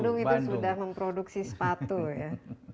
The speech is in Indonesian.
bandung itu sudah memproduksi sepatu ya